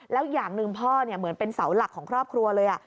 แล้วอย่างหนึ่งพ่อเหมือนเป็นเสาหลักของครอบครัวเลย